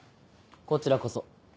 こちらこそ。